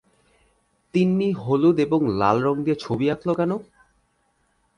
তিন্নি হলুদ এবং লাল রঙ দিয়ে ছবি আঁকল কেন?